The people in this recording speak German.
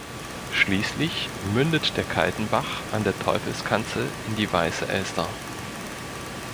Schließlich mündet der Kaltenbach an der Teufelskanzel in die Weiße Elster.